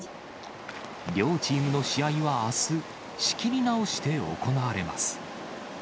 両チームの試合はあす、仕切り直して行われます。